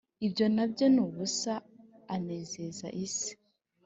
Ibyo na byo ni ubusa anezeza isi.